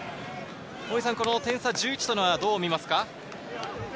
点差１１というのは、どう見ますか？